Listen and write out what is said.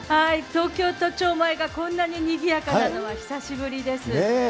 東京都庁前がこんなににぎやかなのは久しぶりです。